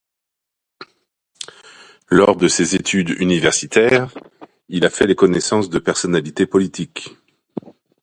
Lors de ses études universitaires, il a fait la connaissance de personnalités politiques.